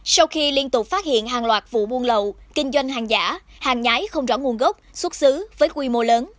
sau khi liên tục phát hiện hàng loạt vụ buôn lậu kinh doanh hàng giả hàng nhái không rõ nguồn gốc xuất xứ với quy mô lớn